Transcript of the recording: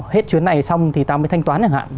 hết chuyến này xong thì ta mới thanh toán chẳng hạn